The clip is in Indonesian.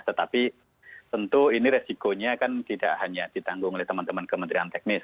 tetapi tentu ini resikonya kan tidak hanya ditanggung oleh teman teman kementerian teknis